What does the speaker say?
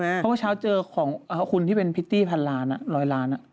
เพราะเมื่อเช้าเจอของคุณที่เป็นพิตตี้พันล้านร้อยล้าน